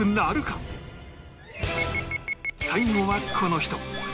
最後はこの人